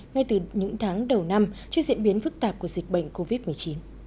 ngay từ những tháng đầu năm trước diễn biến phức tạp của dịch bệnh covid một mươi chín